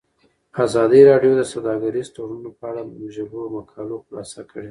ازادي راډیو د سوداګریز تړونونه په اړه د مجلو مقالو خلاصه کړې.